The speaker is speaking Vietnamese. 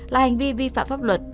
là hành vi vi phạm pháp luật